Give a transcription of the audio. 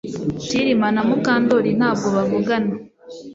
Kirima na Mukandoli ntabwo bavugana